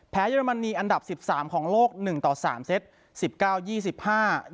เยอรมนีอันดับสิบสามของโลกหนึ่งต่อสามเซตสิบเก้ายี่สิบห้า